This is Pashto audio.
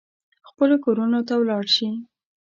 خپلو کورونو ته ولاړ شي.